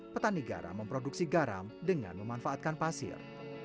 petani garam memproduksi garam dengan memanfaatkan pasir